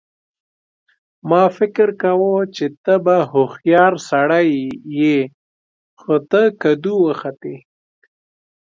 ما فکر کاوه چې ته به هوښیار سړی یې خو ته کدو وختې